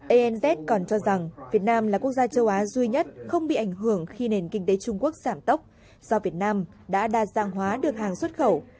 anz còn cho rằng việt nam là quốc gia châu á duy nhất không bị ảnh hưởng khi nền kinh tế trung quốc giảm tốc do việt nam đã đa dạng hóa được hàng xuất khẩu